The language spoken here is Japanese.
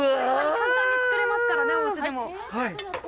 簡単に作れますからね、おうちでも。